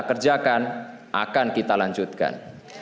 kerjakan akan kita lanjutkan